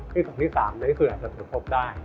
ที่สุดที่๓ในส่วนอาจจะพบได้